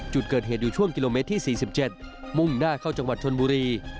จุดเกิดเหตุอยู่ช่วงกิโลเมตรที่๔๗มุ่งหน้าเข้าจังหวัดชนบุรี